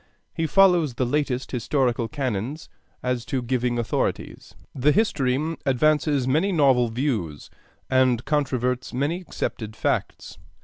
He follows the latest historical canons as to giving authorities. The history advances many novel views, and controverts many accepted facts.